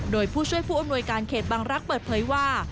โดยผู้ช่วยผู้อำนวยการเขตบังรักษ์เปิดเผยว่า